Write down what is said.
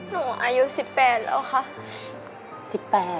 หนูอายุ๑๘แล้วค่ะ